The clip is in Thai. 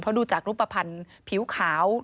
เพราะดูจากรูปภัณฑ์ผิวขาว